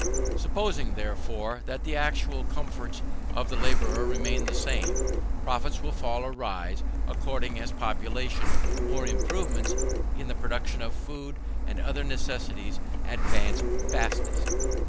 Supposing, therefore, that the actual comforts of the labourer remain the same, profits will fall or rise, according as population, or improvements in the production of food and other necessaries, advance fastest.